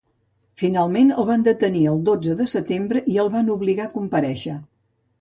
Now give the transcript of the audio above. Finalment, el van detenir el dotze de setembre i el van obligar a comparèixer.